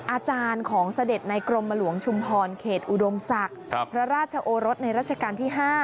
อาจารย์ของเสด็จในกรมหลวงชุมพรเขตอุดมศักดิ์พระราชโอรสในรัชกาลที่๕